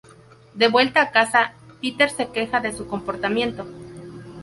De vuelta a casa, Peter se queja de su comportamiento.